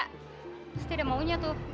pasti ada maunya tuh